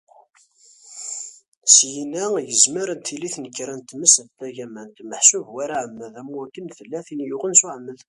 Syinna, yezmer ad tili tnekra n tmes d tagamant, meḥsub war aɛemmed, am wakken tella tin yuɣen s uɛemmed.